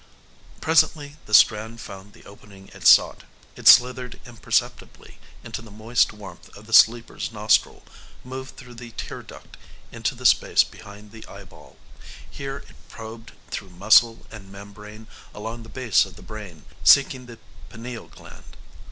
Presently, the strand found the opening it sought. It slithered imperceptibly into the moist warmth of the sleeper's nostril, moved through the tear duct into the space behind the eyeball. Here it probed through muscle and membrane along the base of the brain, seeking the pineal gland.